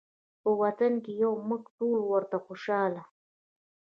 په وطن کې یو مونږ ټول ورته خوشحاله